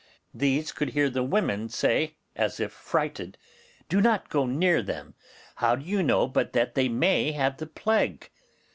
these could hear the women say, as if frighted, 'Do not go near them. How do you know but they may have the plague?